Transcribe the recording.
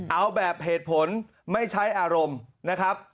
เอาแบบเหตุผลไม่ใช้อารมณ์นะครับ